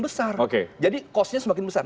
besar jadi cost nya semakin besar